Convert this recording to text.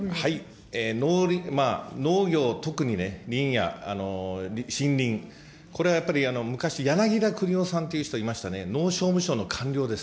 農業、特にね、林野、森林、これはやっぱり、昔、やなぎだくにおさんという方がいらっしゃいましたね、農商務省の官僚です。